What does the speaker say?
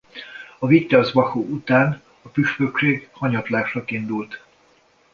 A Wittelsbachok után a püspökség hanyatlásnak indult.